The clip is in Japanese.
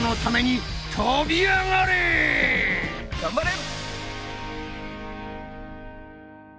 頑張れ！